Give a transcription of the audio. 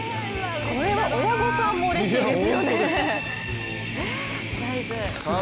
これは親御さんもうれしいですよね。